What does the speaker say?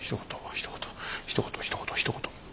ひと言ひと言ひと言。